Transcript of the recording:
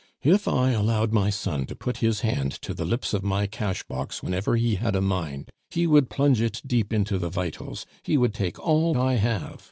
"If I allowed my son to put his hand to the lips of my cash box whenever he had a mind, he would plunge it deep into the vitals, he would take all I have!"